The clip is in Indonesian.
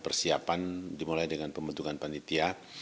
persiapan dimulai dengan pembentukan panitia